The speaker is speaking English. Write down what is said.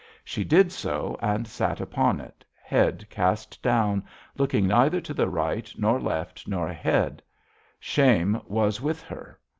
She did so and sat upon it, head cast down, looking neither to the right nor left nor ahead: shame was with her.